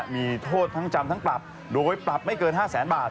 มีโทษทั้งจำทั้งปรับโดยปรับไม่เกิน๕แสนบาท